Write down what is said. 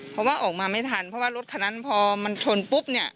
เพราะว่าออกมาไม่ทันเพราะว่ารถคันนั้นพอมันชนปุ๊บเนี่ย